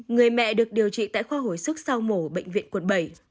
người mẹ được điều trị tại khoa hồi sức sau mổ bệnh viện quận bảy